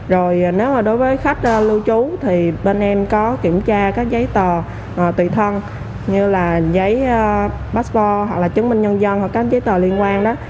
rồi nếu mà đối với khách lưu trú thì bên em có kiểm tra các giấy tờ tùy thân như là giấy baspor hoặc là chứng minh nhân dân hoặc các giấy tờ liên quan đó